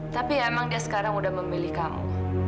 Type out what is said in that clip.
tapi emang dia sekarang udah memilih kamu